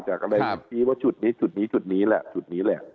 จากมูลนิธิว่าจุดนี้จุดนี้จุดนี้แหละ